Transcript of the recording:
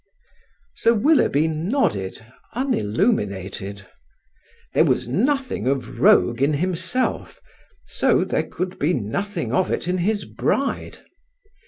Sir Willoughby nodded, unilluminated. There was nothing of rogue in himself, so there could be nothing of it in his bride.